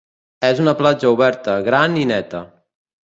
És una platja oberta, gran i neta.